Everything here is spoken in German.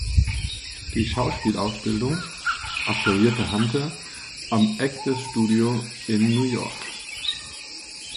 Die Schauspielausbildung absolvierte Hunter am Actors Studio in New York.